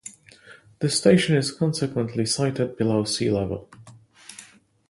The station is consequently sited below sea level.